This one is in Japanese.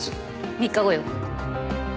３日後よ。